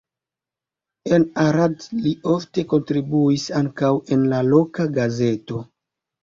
En Arad li ofte kontribuis ankaŭ en la loka gazeto.